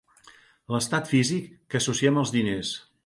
L'estat físic que associem als diners.